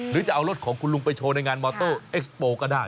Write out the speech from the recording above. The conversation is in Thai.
หรือจะเอารถของคุณลุงไปโชว์ในงานมอเตอร์เอ็กซ์โปรก็ได้